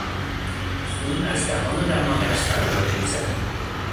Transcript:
خون از دهان و دماغش فواره میزد.